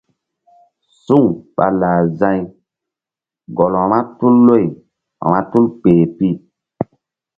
Suŋ ɓa lah za̧y gɔl vba tul loy vba tul kpeh pi.